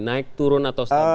naik turun atau stabil